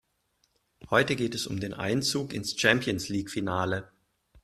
Heute geht es um den Einzug ins Champions-League-Finale.